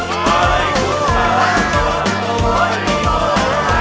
itu lah kuncinya